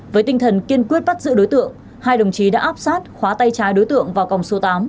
với tinh thần kiên quyết bắt giữ đối tượng hai đồng chí đã áp sát khóa tay trái đối tượng vào còng số tám